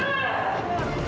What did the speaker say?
ken tante kamu hebat